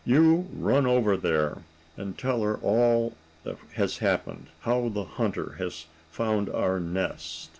You run over there, and tell her all that has happened how the hunter has found our nest."